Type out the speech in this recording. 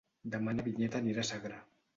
Demà na Vinyet anirà a Sagra.